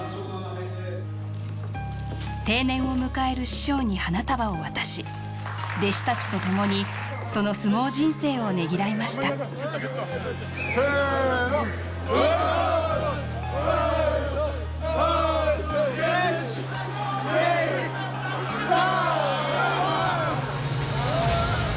定年を迎える師匠に花束を渡し弟子たちと共にその相撲人生をねぎらいましたせのわっしょいわっしょいわっしょい１２３！